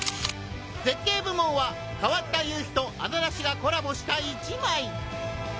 「絶景部門」は変わった夕日とアザラシがコラボした１枚！